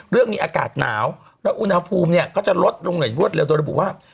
เรื่องนี้อากาศหนาวและอุณหภูมิเนี่ยก็จะลดไปลงหลายยุทธ์หลีนโดดบุว่า